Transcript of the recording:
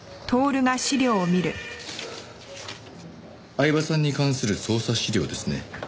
饗庭さんに関する捜査資料ですね。